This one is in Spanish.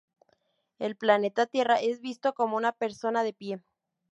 El planeta Tierra es visto como una persona de pie.